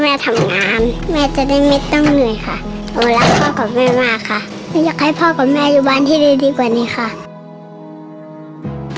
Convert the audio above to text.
ผมรักพ่อกับแม่มากค่ะไม่อยากให้พ่อกับแม่อยู่บ้านที่ดีกว่านี้ค่ะ